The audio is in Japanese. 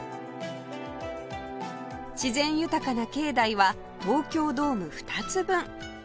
自然豊かな境内は東京ドーム２つ分